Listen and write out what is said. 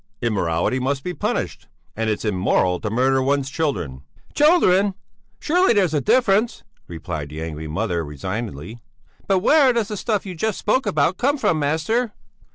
Immorality must be punished; and it's immoral to murder one's children." "Children! Surely, there's a difference," replied the angry mother, resignedly; "but where does the stuff you just spoke about come from, master?"